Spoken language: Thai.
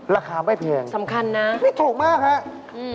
ราคาไม่เพียงสำคัญนะนี่ถูกมากครับ